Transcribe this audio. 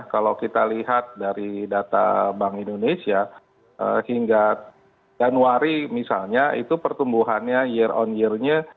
kalau kita lihat dari data bank indonesia hingga januari misalnya itu pertumbuhannya year on year nya